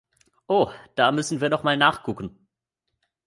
Oh, da müssen wir noch mal nachgucken.